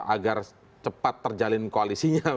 agar cepat terjalin koalisinya